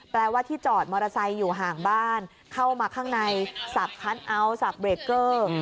แปลว่าที่จอดมอเตอร์ไซค์อยู่ห่างบ้านเข้ามาข้างในสับคัทเอาท์สับเบรกเกอร์